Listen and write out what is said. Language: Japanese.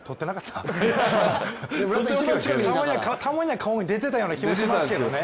たまには顔に出てたような気がしますけどね。